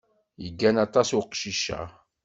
Yeggan aṭas uqcic-a.